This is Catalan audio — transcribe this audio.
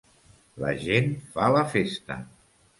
La gent fa la festa.